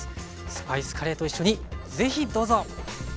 スパイスカレーと一緒にぜひどうぞ。